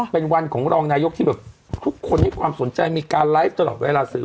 เป็นวันของรองนายกที่แบบทุกคนให้ความสนใจมีการไลฟ์ตลอดเวลาสื่อ